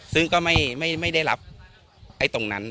ซึ่งก็ไม่ได้รับตรงนั้น